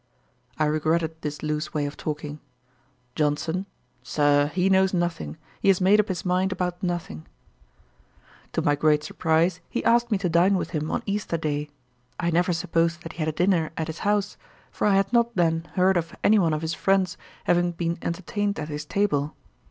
I regretted this loose way of talking. JOHNSON. 'Sir, he knows nothing; he has made up his mind about nothing.' To my great surprize he asked me to dine with him on Easter day. I never supposed that he had a dinner at his house; for I had not then heard of any one of his friends having been entertained at his table.